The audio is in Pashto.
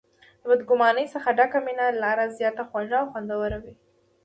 د بد ګمانۍ څخه ډکه مینه لا زیاته خوږه او خوندوره وي.